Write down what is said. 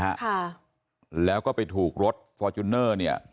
ค่ะแล้วก็ไปถูกรถฟอร์จูเนอร์เนี่ย